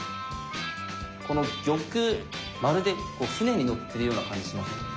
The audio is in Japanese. この玉まるで舟に乗ってるような感じしません？